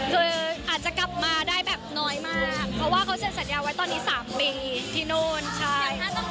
คืออาจจะกลับมาได้แบบน้อยมากเพราะว่าเขาเซ็นสัญญาไว้ตอนนี้๓ปีที่โน่นใช่